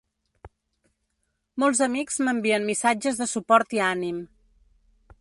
Molts amics m’envien missatges de suport i ànim.